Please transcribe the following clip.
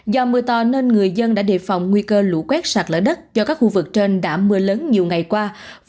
do mưa to nên người dân đã đề phòng nguy cơ lũ quét sạt lỡ đất do các khu vực trên đã mưa lớn nhiều ngày qua